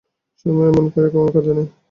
সুরমা এমন করিয়া কখনো কাঁদে নাই।